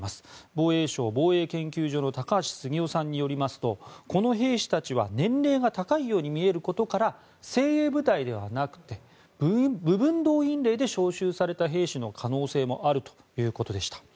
防衛省防衛研究所の高橋杉雄さんによりますとこの兵士たちは年齢が高いように見えることから精鋭部隊ではなくて部分動員令で招集された兵士の可能性もあるということでした。